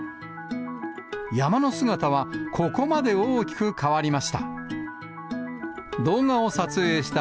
山の姿は、ここまで大きく変わりました。